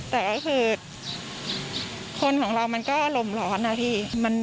แต่ก็คือคนของเรามันก็อารมณ์ร้อนนะพี่